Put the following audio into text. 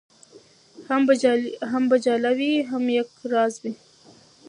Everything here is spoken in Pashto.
هم به جاله وي هم یکه زار وي